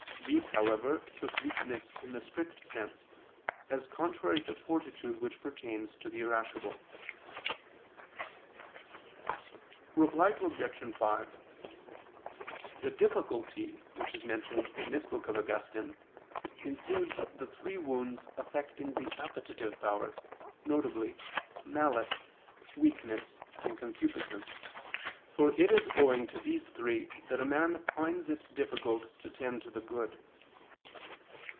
Bede, however, took weakness in the strict sense, as contrary to fortitude which pertains to the irascible. Reply Obj. 5: The "difficulty" which is mentioned in this book of Augustine, includes the three wounds affecting the appetitive powers, viz. "malice," "weakness" and "concupiscence," for it is owing to these three that a man finds it difficult to tend to the good.